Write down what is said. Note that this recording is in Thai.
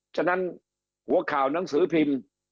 ฉะนั้นหัวข่าวหนังสือพิมพ์